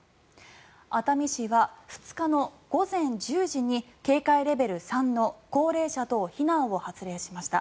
熱海市は２日の午前１０時に警戒レベル３の高齢者等避難を発令しました。